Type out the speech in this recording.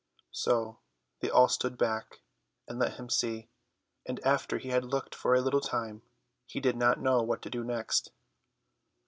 So they all stood back, and let him see, and after he had looked for a little time he did not know what to do next.